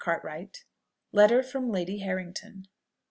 CARTWRIGHT. LETTER FROM LADY HARRINGTON.